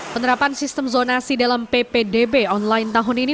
penerapan sistem zonasi dalam ppdb online tahun ini